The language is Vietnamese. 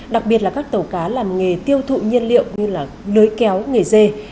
đặc biệt là các tàu cá làm nghề tiêu thụ nhiên liệu như lưới kéo nghề dê